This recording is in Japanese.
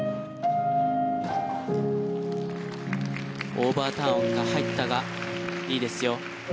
オーバーターンが入ったがいいですよ。